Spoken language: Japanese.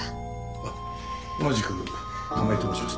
あっ同じく亀井と申します。